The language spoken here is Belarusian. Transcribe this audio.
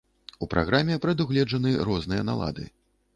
У праграме прадугледжаны розныя налады.